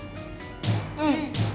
うん。